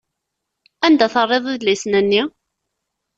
Anda terriḍ idlisen-nni?